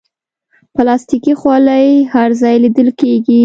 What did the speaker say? پلاستيکي خولۍ هر ځای لیدل کېږي.